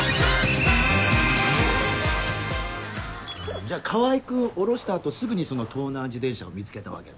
じゃあ川合君降ろした後すぐにその盗難自転車を見つけたわけだ。